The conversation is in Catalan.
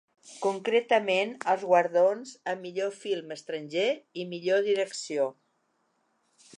Concretament els guardons a millor film estranger i millor direcció.